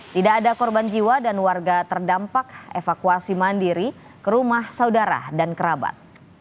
tidak ada korban jiwa dan warga terdampak evakuasi mandiri ke rumah saudara dan kerabat